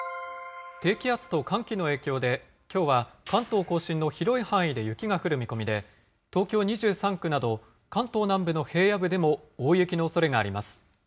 低気圧と寒気の影響で、きょうは関東甲信の広い範囲で雪が降る見込みで、東京２３区など、関東南部の平野部でも大雪のおそれがあります。